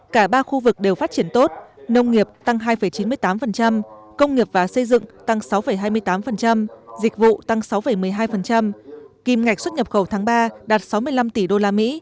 cả ba khu vực đều phát triển tốt nông nghiệp tăng hai chín mươi tám công nghiệp và xây dựng tăng sáu hai mươi tám dịch vụ tăng sáu một mươi hai kìm ngạch xuất nhập khẩu tháng ba đạt sáu mươi năm tỷ usd